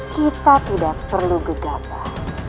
kita tidak perlu gegabah